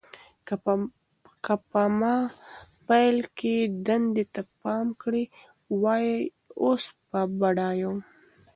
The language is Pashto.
که ما په پیل کې دندې ته پام کړی وای، اوس به بډایه وم.